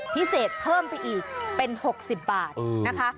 พิเศษเพิ่มไปอีกเป็น๖๐บาทนะคะ